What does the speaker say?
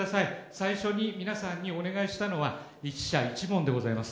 最初に皆さんにお願いしたのは、１社１問でございます。